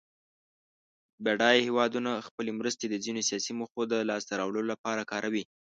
بډایه هېوادونه خپلې مرستې د ځینو سیاسي موخو د لاس ته راوړلو لپاره کاروي.